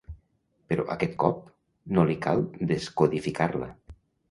Però aquest cop no li cal descodificar-la.